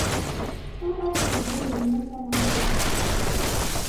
Maɣef ay yebda ilemmed tamaziɣt?